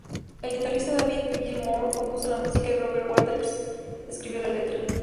El guitarrista David Gilmour compuso la música y Roger Waters escribió la letra.